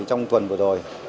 trong tuần vừa rồi